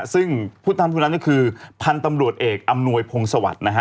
ซึ่งผู้ทำผู้นั้นก็คือพันธุ์ตำรวจเอกอำนวยพงศวรรค์นะฮะ